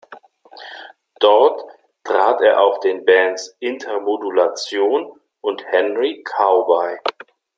Dort trat er auch den Bands Intermodulation und Henry Cow bei.